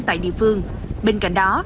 tại địa phương bên cạnh đó